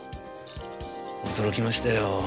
驚きましたよ